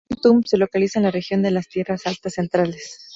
Kon Tum se localiza en la región de las Tierras Altas Centrales.